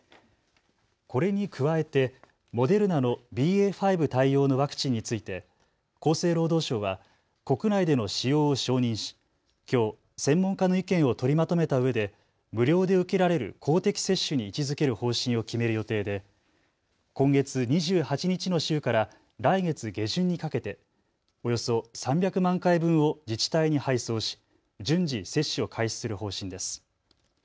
これに加えてモデルナのＢＡ．５対応のワクチンについて厚生労働省は国内での使用を承認しきょう専門家の意見を取りまとめたうえで無料で受けられる公的接種に位置づける方針を決める予定で今月２８日の週から来月下旬にかけておよそ３００万回分を自治体に配送し順次、接種を開始する方針です。